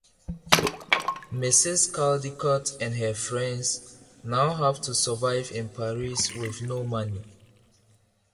Mrs Caldicot and her friends now have to survive in Paris with no money.